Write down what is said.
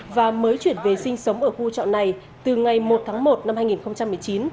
và mới chuyển về sinh sống ở khu trọ này từ ngày một tháng một năm hai nghìn một mươi chín